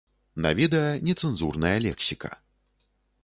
На відэа нецэнзурная лексіка!